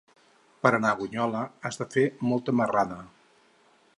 Per anar a Bunyola has de fer molta marrada.